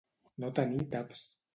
No tenir taps.